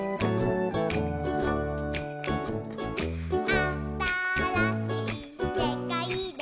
「あたらしいせかいで」